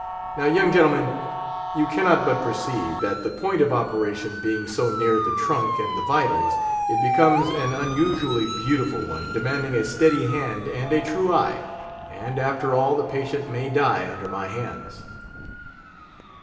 Now, young gentlemen, you cannot but perceive, that the point of operation being so near the trunk and the vitals, it becomes an unusually beautiful one, demanding a steady hand and a true eye; and, after all, the patient may die under my hands."